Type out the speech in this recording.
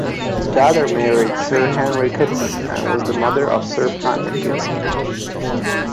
His daughter married Sir Henry Kitson and was the mother of Sir Frank Kitson.